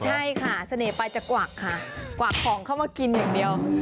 ใช่ค่ะเสน่ห์ไปจะกวักค่ะกวักของเข้ามากินอย่างเดียว